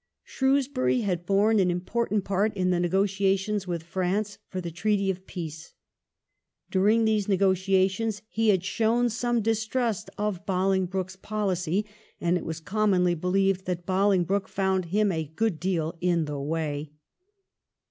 Shrewsbury had borne an important part in the negotiations with France for the treaty of peace. During these negotiations he had shown some dis trust of Bolingbroke's policy, and it was commonly believed that Bolingbroke found him a good deal in his way.